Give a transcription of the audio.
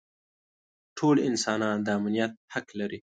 ټول انسانان د امنیت حق لري.